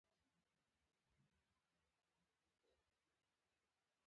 د تاریخ غږونه هم اورېدل کېږي.